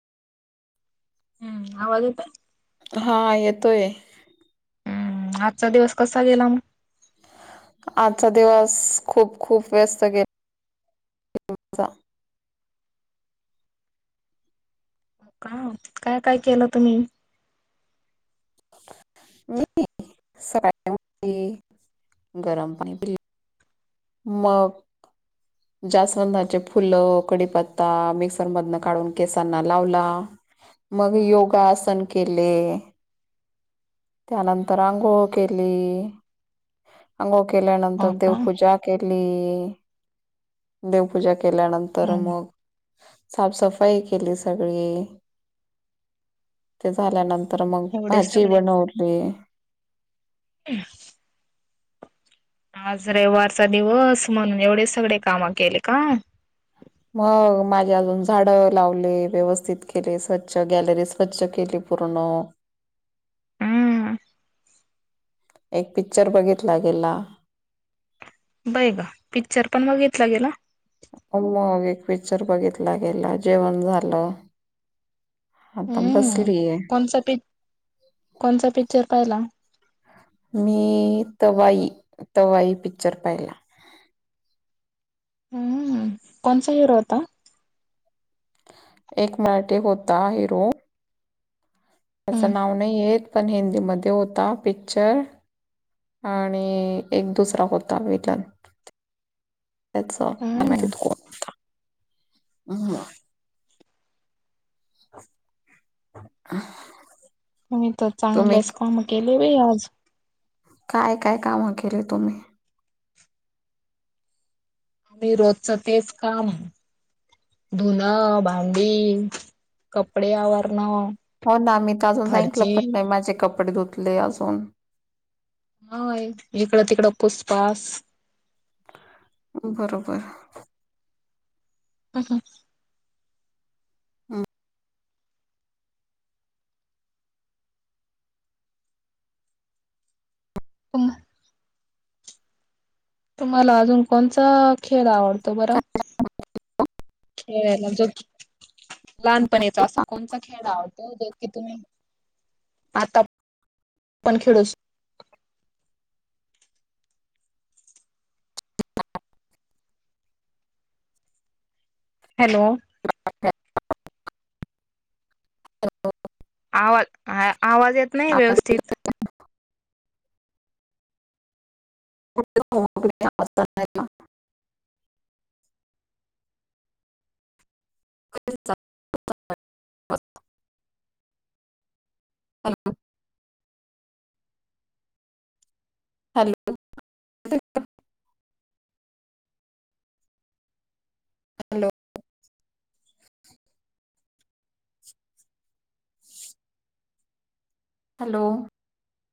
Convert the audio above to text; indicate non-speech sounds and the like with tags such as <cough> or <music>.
हम्म आवाज येतोय? हा येतोय. हम्म आजचा दिवस कसा गेला मग? आजचा दिवस खूप खूप व्यस्त गेला. का काय काय केलं तुम्ही? मी सकाळी गरम पाणी पिले. मग <inaudible> जास्वंदचे फुलं, कडीपत्ता मिक्सर मधन काढून केसांना लावला. मग योगासन केले. त्यानंतर अंघोळ केली अंघोळ हो केल्यानंतर का देवपूजा, केली देवपूजा केल्यानंतर हम्म मग, साफसफाई केली सगळी ते झाल्यानंतर मग एवढ भाजी सगळे बनवली आज रविवारचा दिवस म्हणून एवढे सगळे काम केले का? मग माझे अजून झाडं लावले व्यवस्थित केले स्वच्छ गॅलरी स्वच्छ केली. पूर्ण हम्म एक पिकच्चर बघितला गेला. बय ग! पिक्चर पण बघितलं गेला. अम्मा मग एक पिकच्चर बघितला गेला जेवण झालं. आता हम्म बसलीये. कोण पिक कोणचा पिक्चर पाहिला. मी तवाई, तवाई पिकच्चर पाहिला. हम्म कोणसा हिरो होता? एक मराट होता हिरो हम्म त्याचं नाव नाही येत पण हिंदीमध्ये होता पिक्चर आणि एक दुसरा होता वटन त्याच मना हम्म कोण होता म् तर तुम्ही चांगलेच काम केले ब आज काय काय कामं केली तुम्ही आम्ही रोजचं तेच काम धुणं भांडी कपडे आवरणं हो ना मी तर अजून सांकलं फरची पण नाही माझे कपडे धुतले अजून हा इकडं तिकडं पुोस पास बरोबर ह हं हम कम तुम्हाला अजून कोणचा खेळ आवडतो बरं हेयला जो लहानपणीचा असा कोणचा खेळ आवडतो ज की तुम्ही आता आपण खेळूस हॅलो हो आवाज आवाज येत नाही व्यवस्थित हो कोणी म आहे हॅलो हॅलो हॅलो